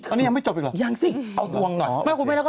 อันนี้ยังไม่จบอีกเหรอ